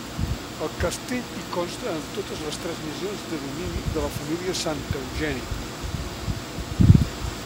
El castell hi consta en totes les transmissions de domini de la família Santaeugènia.